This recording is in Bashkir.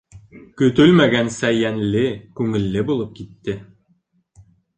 Көтөлмәгәнсә йәнле, күңелле булып китте.